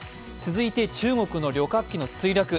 続いて中国の旅客機の墜落。